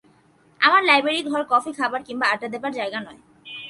আমার লাইব্রেরি ঘর কফি খাবার কিংবা আড্ডা দেবার জায়গা নয়।